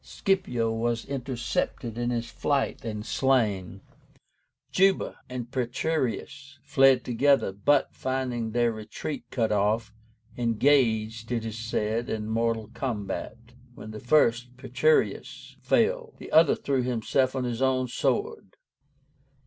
Scipio was intercepted in his flight and slain. Juba and Petreius fled together, but, finding their retreat cut off, engaged, it is said, in mortal combat; when the first, Petreius, fell, the other threw himself on his own sword.